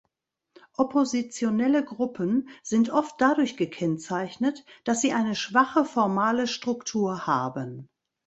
Oppositionelle Gruppen sind oft dadurch gekennzeichnet, dass sie eine schwache formale Struktur haben.